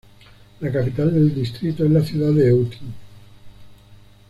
La capital del distrito es la ciudad de Eutin.